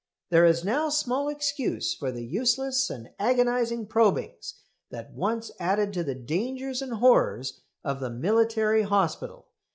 There is now small excuse for the useless and agonising probings that once added to the dangers and horrors of the military hospital.